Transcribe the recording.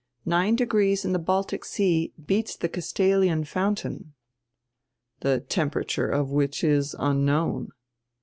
Nine degrees in die Baltic Sea beats die Castalian Fountain." "The temperature of which is unknown."